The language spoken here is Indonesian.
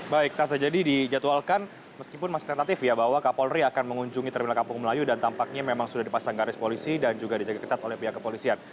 baik taza jadi dijadwalkan meskipun masih tentatif ya bahwa kapolri akan mengunjungi terminal kampung melayu dan tampaknya memang sudah dipasang garis polisi dan juga dijaga ketat oleh pihak kepolisian